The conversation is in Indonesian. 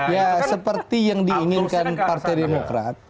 ya seperti yang diinginkan partai demokrat